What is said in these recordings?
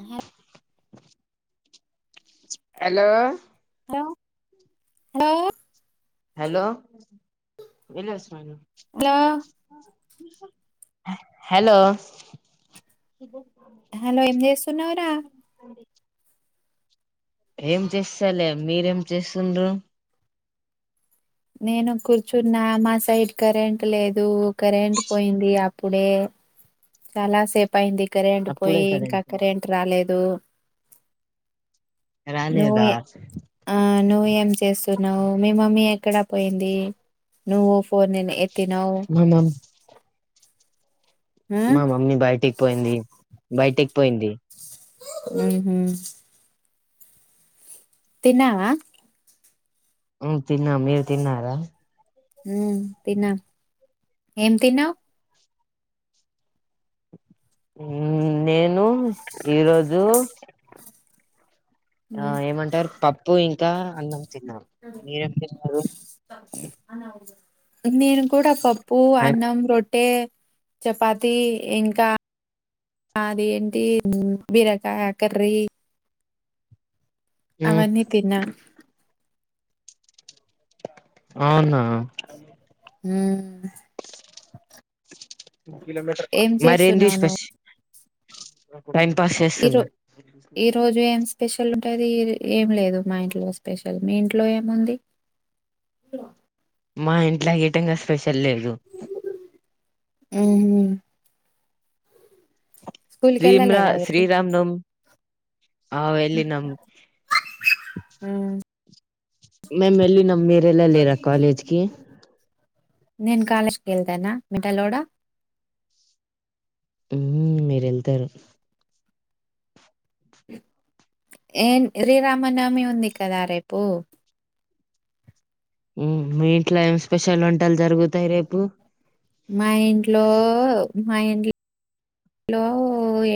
అర్ hello hello hello hello వెళ్ళొస్తాను. Hello hello hello ఏం చేస్తున్నావ్రా ఏం చేస్తలేం మీరేం చేస్తుంన్రూ నేను కూర్చున్నా మా సైడ్ కరెంట్ లేదు కరెంట్ పోయింది అప్పుడే చాలా సేపు అయింది. కరెంట్ పోయి ఇంకా కరెంట్ రాలే డూ రాలేదా నోయే ఆ నో ఏం చేస్తున్నావు. మీ మమ్మీ ఎక్కడ పోయింది నువ్ ఫోన్ ఎత్తినవ్ మా మమ్ మా మమ్మీ బయటిక్ పోయింది బయటిక్పోయింది. మ్ హ్ తిన్నావా మ్ తిన్నా మీరు తిన్నారా ఉ తిన్న ఏం తిన్నవ్ ఉమ్ నేను ఈరోజు ఆ మ్మ్. ఏమంటరు పప్పు ఇం కా అన్నం తిన్న మీరేం తిన్నరు అనావులు నేను కూడా పప్పు, అన్నం, రొట్ టే చపాతి ఇంకా అది ఏంటి బీరకాయ కర్రీ మ్మ్ అవన్నీ తిన్నా. అవునా ఉహు ఆ కిలోమీటర్ మరేంది నువ్వు స్పెషల్ టైం పాస్ ఈరో చేస్తున్నా ఈ రోజు ఏం స్పెషల్ ఉంటది ఏం లేదు మా ఇంట్లో స్పెషల్ మీ ఇంట్లో ఏముంది మా ఇంట్లో ఈటంగా స్పెషల్ లేదు ఉహు కి శ్రీం రా వెళ్ళలేదా శ్రీరామనవమి ఆ మేము ఎల్లినం మీరు వెళ్లలేరా కాలేజీకి నేను కాలేజీకి వెళ్తాను మెంటలోడ ఉఊ మీరు వెళ్తారు ఏ శ్రీరామనవమి ఉంది కదా రేపు హు మీ ఇంట్లో ఏం స్పెషల్ వంటలు జరుగుతాయి రేపు మా ఇంట్లో మా ఇంట్లో ఇంట్లో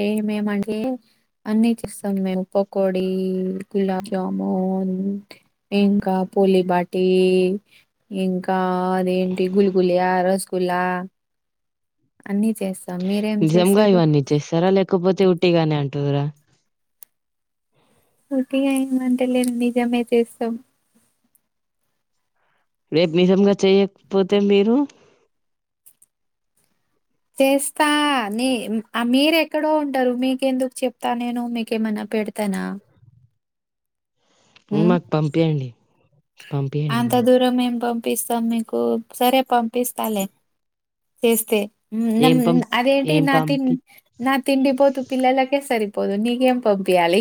ఏమేమంటే అన్ని చేస్తాము మేము పకోడి గులాబ్ జాము ఇంకా పులి బాటి ఇంకా అదేంటి గులిగులి య్య అరోజు కులా అన్నీ చేస్తా నిజంగా ఇవన్నీ చేస్తారా లేకపోతే ఉట్టిగానే ఉంటారా పొట్టిగా ఏమంటలేను నిజమే చేస్తాం రేపు నిజంగా చేయకపోతే మీరు చేస్తా ని మీర ఎక్కడో ఉంటారు మీకెందుకు చెప్తా నేను మీకేమన్నా పెడతానా ఉమ్, మాకు పంపయండి పంపియండి మాకు పంపిస్తాను మీకు సరే పంపిస్తాలే చేస్తే ఏం నమ్ పం అదేంటి ఏం నా తి పంపి నా తిండి పోతు పిల్లలకే సరి పొదు నీక ఏం పంపియ్యాలి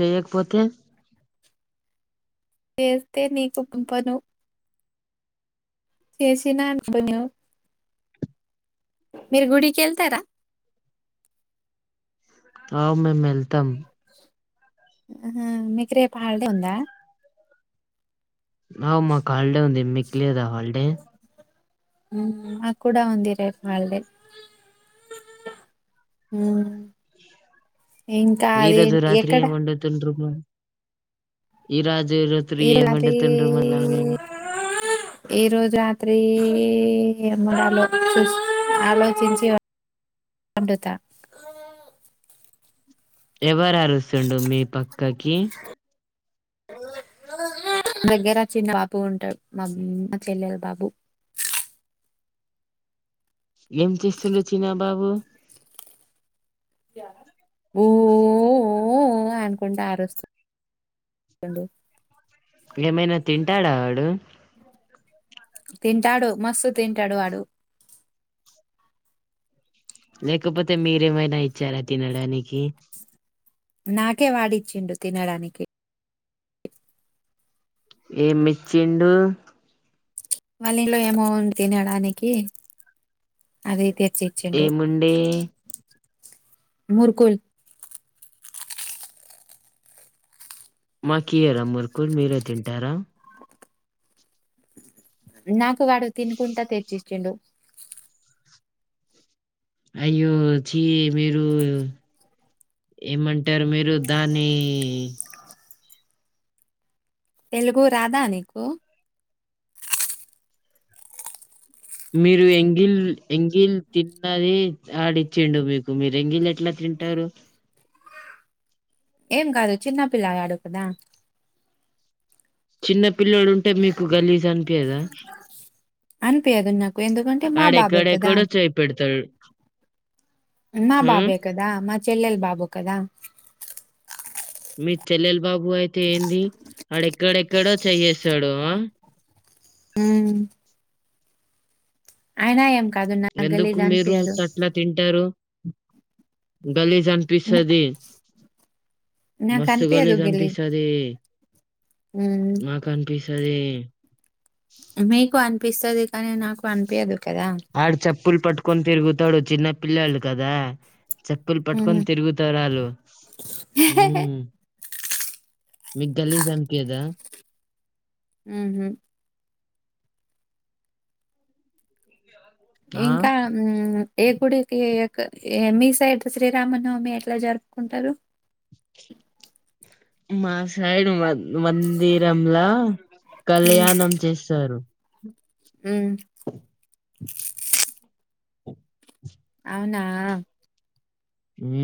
చేయక పోతే చేస్తే నీకు పంపను చేసినా అనుకోను మీరు గుడికి వెళ్తారా అ మేము వెళ్తాం హా మీకు రేపు హాలిడే ఉందా అహ మాకు హాలిడే ఉంది మీ లేదా హాలిడే హ ఆనాక్ కూడా అందిరే హాల్డే ఇంకా అదే ఎక్కడ ఈరాత్రి ఈరాత్రి ఈ రోజు రాత్రి ఈఆలోచించి పండుత ఎవరు అరుస్తుండు మీ పక్క తకిీ దగ్గర చిన్న బాబు ఉంటాడు మా అమ్మ చెల్లెలు బాబు ఏం చేస్తుండ్రు చిన్న బాబు ఊ అనుకుంట ఆరుస్తున్నాడు ఏమైనా తింటాడా వాడు తింటాడు మస్తు తింటాడు వాడు ఏ మైనా ఇచ్చారా తినడానికి నాకే వాడిచ్చిండు తినడానికి ఏ మెచ్చిండు వాళ్ళ ఇంట్లో ఏమవుంది తినడానికి అదయితే ఏముండే మురుకుల్ మాకీయరా మురుకుల్ మీరే తింటారా నాకు వాడు తినుకుంటా తెచ్చించుండు అయ్యో చి మీరు ఏమంటారు మీరు దాన్ని తెలుగు రాధా నీకు మీరు ఎంగిల్ ఎంగిల్ తిన్నది ఆడిచ్చేండు మీకు మీరు ఎంగిల్ ఎట్లా తింటారు ఏం కాదు చిన్నపిల్లవాడు కదా చిన్న పిల్లోడు ఉంటే మీకు గలీజ్ అనిపియలేదా అనుపియ అద నాకు ఎందుకంటే మా బాబే కదా అడేక్కడేక్కడో చేయి పెడతాడు నా ఆ బాబే కదా మా చెల్లెల్ బాబు కదా మీ చెల్లెల బాబు అయితే ఏంది వాడెక్కడెక్కడో చెయ్యఎసాడు ఆ హ అయనా ఎం మ్ ఎందుకు మీరు తట్లా తింటారు గలీజ్ అనిపిస్తది మస్తు నాకనిపియదు గలీజ్ గిల్లి. అనిపిస్తది హ్మ్. నాకు అనిపిస్ గదే మీకు వన్పిస్తది కానే నాకు అనిపియదు కదా! ఆడు చెప్ప స్కూల్ పట్టుకొని తిరుగుతాడు చిన్న పిల్లలు కదా చెప్పులు పట్టుకొని హ్మ్. తిరుగుతారు ఆళ్ళు హ మీకు గల్లీ సంకదా మ్ హ్ ఆ ఇంకా ఏ గుడికి ఎక మీ సైడ్ శ్రీరామనవమి ఎట్లా జరుపుకుంటారు మాసయిడు మా మందిరంలా కళ్యాణం చేస్తారు మ్ అవునా మ్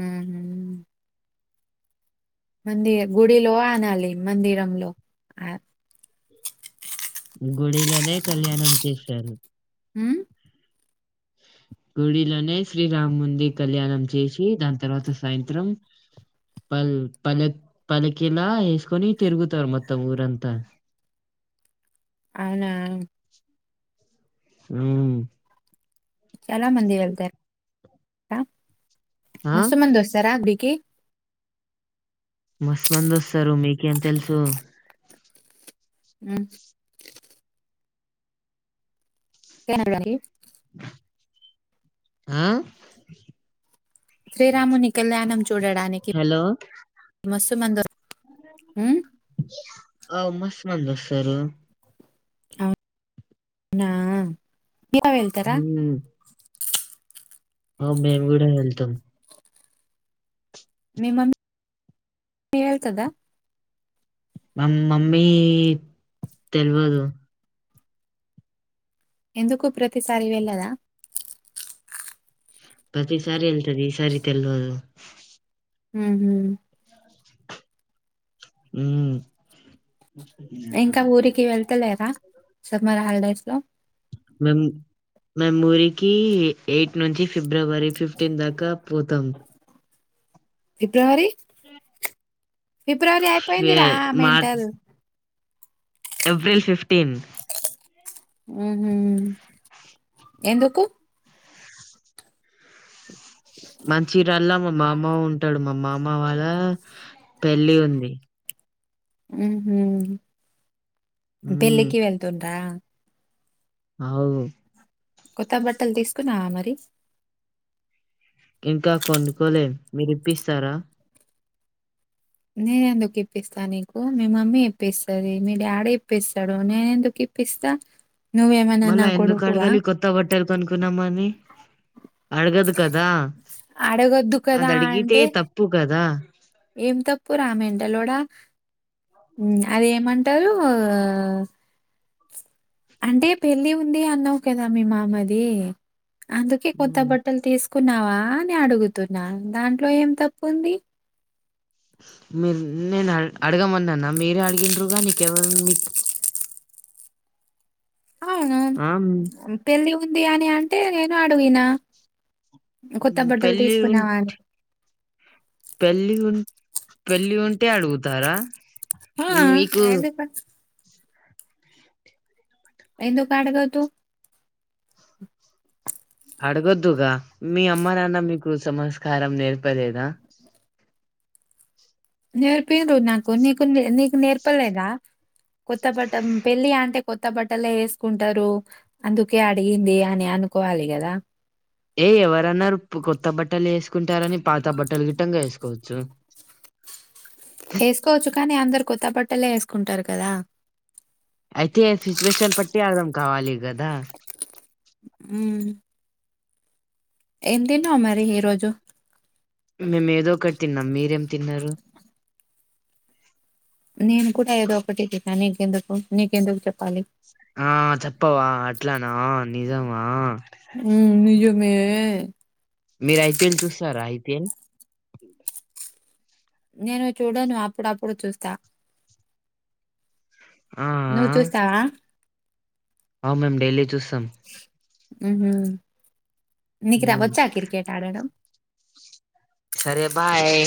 ఊహూమ్ మంది గుడిలో అనాలి మందిరం లో ఆ గుడిలోనే కళ్యాణం చేస్తారు మ్? గుడిలోనే శ్రీరాముంది కళ్యాణం చేషి దాని తర్వాత సాయంత్రం పల్ పలక్ పల్లకీలా ఎసుకొని తిరుగుతారు మొత్తం ఊరంతా అవునా మ్ చాలా మంది వెళ్తర్ ఆ ఆ మస్తు మంది ఒస్తరా బి కీ మస్తు మంది ఒస్తారు మీకేం తెల్సు మ్ కే నండి ఆ? శ్రీరాముని కళ్యాణం చూడడానికి హలో మస్ సుమంది ఒ అవు మస్త్ మంది ఒస్తరు నా యా వెళ్తరా అ మేము గూడా వెళ్తం మీ మమ్మీ ఎల్తదా? మా మమ్మీ తెల్వదు ఎందుకు ప్రతిసారి వెళ్ళదా? ప్రతిసారి ఎల్తది ఈసారి తెల్వదు ఊహూమ్ ఉం ఇంకా ఊరికి వెళ్తలేరా? సమ్మర్ హాలిడేస్ లో మురికి ఎయిట్ నుంచి ఫిబ్రవరి ఫిఫ్టీన్ దాకా పోతాం ఫిబ్రవరి ఫిబ్రవరి అయిపోయింది ఫే రా మెంటల్ ఎప్రిల్ ఫిఫ్టీన్ మ్మ్ హ్మ్ ఎందుకు మంచిరల్లా మా మామ ఉంటాడు మా మామ వాళ్ళ పెళ్ళి ఉంది మ్మ్ హ్మ్ ఉమ్ పెళ్ళికి వెళ్తుండ్రా అవు కొత్త బట్టలు తీసుకున్నావా మరి ఇంకా కొనుక్కోలే మీరు ఇప్పిస్తారా నేనేందుకు ఇప్పిస్తా నీకు మీ మమ్మీ ఇప్పిస్తది మీ డాడీ ఇప్పిస్తాడు నేనేందుకు ఇప్పిస్తా. నువ్వేమైనా నా కొడుకువా కొనుకోనమ ని అడగదు కదా అడగొద్దు అది కదా అడిగితే అంటే తప్పు గదా మ్మ్ అది ఏమంటారు అంటే పెళ్లి ఉంది అన్నావు కదా మీ మామది అందుకే కొత్త ఉమ్, బట్టలు తీసు కున్నావా అని అడుగుతున్నా దాంట్లో ఏం తప్పుంది మీరు నేను అడగమన్నాన్న మీరే అడిగిండ్రుగా నీకేవ మీ అవును ఆ ఉమ్, పెళ్లి ఉంది అని అంటే నేను అడిగిన కొత్త బట్టలు తీసుకున్నావాని పెళ్లి ఉన్ పెళ్లి ఉంటే అడుగుతారా ఆ! మీకు ఎందుకు ఎందు కడగ తూ అడగొద్దుగా మీ అమ్మ నాన్న మీకు సంస్కారం నేర్పలేదా నేర్పిన్ రు నాకు నీకు నీకు నేర్పలేదా కొత్త బట్ట పెళ్ళి అంటే కొత్త బట్టలే వేసుకుంటారు, అందుకే అడిగింది అని అనుకోవాలి గదా ఏ ఎవరన్నారు కొత్త బట్టలు వేసుకుంటారని పాత బట్టలు గిట్టంగా వేసుకో చ్చు వేసుకోవచ్చు కానీ అందరి కొత్త బట్ ట్టలే వేసుకుంటారు కదా అయితే సిచ్యువేషన్ పట్టి అర్థం కావాలి గదా మ్మ్ ఏం తిన్నావ్ మరి ఈ రోజు మేము ఏదో ఒకటి తిన్నాం మీరేం తిన్నారు నేను కూడా ఏదో ఒకటి తిన్నా నీకి ఎందుకు నీకెందుకు చెప్ ఆ చెప్పవా అట్లానా నిజమా మే మీరు ఐపీఎల్ చూస్తారా ఐపీఎల్ నేను చూడను అప్పుడు అప్పుడు చూస్తా ఆ నువ్ చూస్తావా మేమ్ డైలీ చూస్తాం మ్మ్ హ్మ్ నకు రా ఉమ్. వచ్చా క్రికెట్ ఆడడం సరే బాయ్